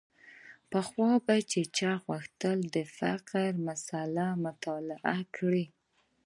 پخوا به چا غوښتل د فقر مسأله مطالعه کړي.